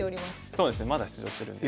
そうですねまだ出場するんで。